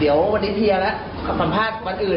เดี๋ยววันนี้เพียร์แล้วสัมภาษณ์วันอื่น